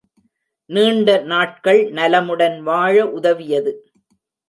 நீண்ட நாட்கள் நலமுடன் வாழ உதவியது.